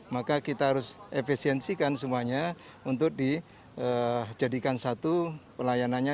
maka kita harus efisiensikan semuanya untuk dijadikan satu pelayanannya